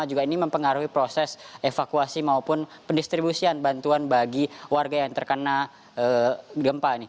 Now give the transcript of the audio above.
juga ini mempengaruhi proses evakuasi maupun pendistribusian bantuan bagi warga yang terkena gempa